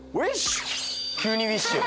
ウィッシュ！